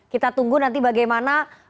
kita tunggu nanti bagaimana